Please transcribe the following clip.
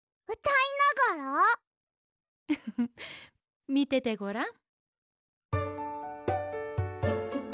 フフフッみててごらん。